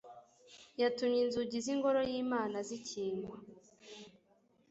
yatumye inzugi z'ingoro y'imana zikingwa